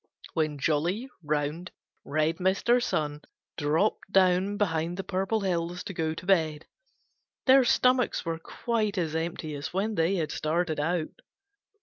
When jolly, round, red Mr. Sun dropped clown behind the Purple Hills to go to bed, their stomachs were quite as empty as when they had started out.